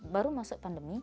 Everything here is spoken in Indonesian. baru masuk pandemi